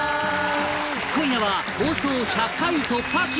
今夜は放送１００回突破記念！